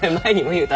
言うた。